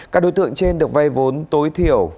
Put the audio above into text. các đối tượng trên được vai vốn tối thiểu